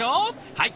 はい。